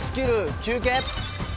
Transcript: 休憩！